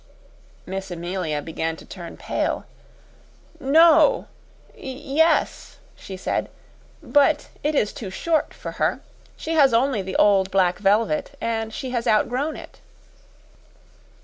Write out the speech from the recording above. Miss Amelia began to turn pale. "No ye es!" she said. "But it is too short for her. She has only the old black velvet, and she has outgrown it."